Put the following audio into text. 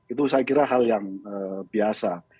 itu saya kira hal yang biasa